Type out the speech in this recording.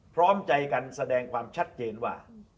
พร้อมใจกันแสดงความชัดเจนว่า